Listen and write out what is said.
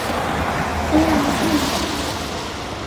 Femeile și tinerii sunt afectați cel mai tare.